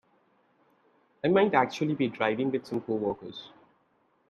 I might actually be driving with some coworkers.